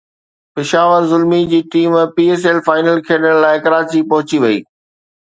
پشاور زلمي جي team P S L final کيڏڻ لاءِ ڪراچي پهچي وئي